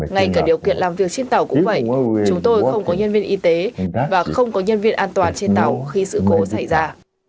ngay cả điều kiện làm việc trên tàu cũng vậy chúng tôi không có nhân viên y tế và không có nhân viên an toàn trên tàu khi sự cố xảy ra